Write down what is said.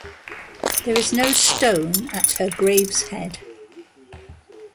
There is no stone at her grave’s head.